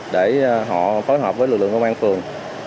để họ phối hợp với lực lượng công an phường